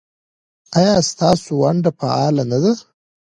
ایا ستاسو ونډه فعاله نه ده؟